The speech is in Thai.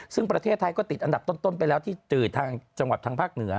ซึ่งประเทศไทยก็ติดอันดับต้นไปแล้วที่ทางจังหวัดทางภาคเหนือ